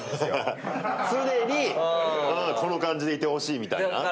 常にこの感じでいてほしいみたいな？